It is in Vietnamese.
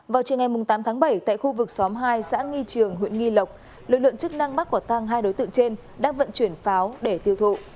vào chiều ngày tám tháng bảy tại khu vực xóm hai xã nghi trường huyện nghi lộc lực lượng chức năng bắt quả tăng hai đối tượng trên đang vận chuyển pháo để tiêu thụ